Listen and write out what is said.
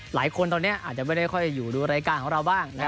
หลายคนตอนนี้อาจจะไม่ได้ค่อยอยู่ดูรายการของเราบ้าง